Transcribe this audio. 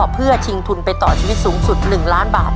เพื่อชิงทุนไปต่อชีวิตสูงสุด๑ล้านบาท